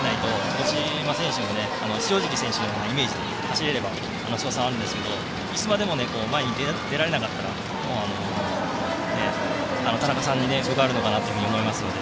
五島選手も塩尻選手のイメージで走れれば勝算はあるんですがいつまでも前に出られなかったら田中さんに分があるのかなと思いますので。